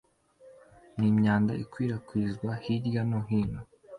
n’imyanda ikwirakwijwe hirya no hino.